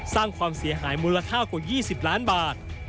สร้างความเสียหายมูลค่ากว่า๒๐ล้านบาท